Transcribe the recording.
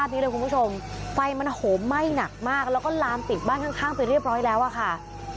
มันโหไหม้หนักมากแล้วก็ลามติดบ้านข้างไปเรียบร้อยแล้วอ่ะค่ะ